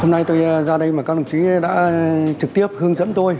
hôm nay tôi ra đây mà các đồng chí đã trực tiếp hướng dẫn tôi